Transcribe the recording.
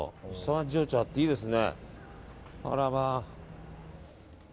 情緒あっていいですね。